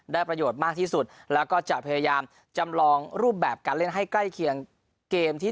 ประโยชน์มากที่สุดแล้วก็จะพยายามจำลองรูปแบบการเล่นให้ใกล้เคียงเกมที่